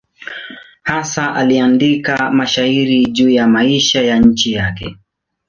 Hasa aliandika mashairi juu ya maisha ya nchi yake.